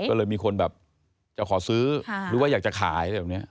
ก็เลยมีคนแบบจะขอซื้อหรือว่าอยากจะขายอะไรแบบนี้